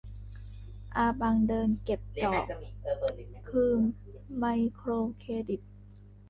อาบังเดินเก็บดอก คือไมโครเครดิต